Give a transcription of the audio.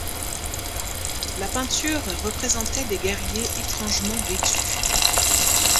La peinture représentait des guerriers étrangement vêtus.